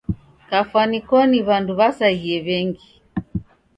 Kafwani koni w'andu w'asaghie w'engi.